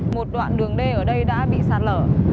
một đoạn đường d ở đây đã bị sạt lở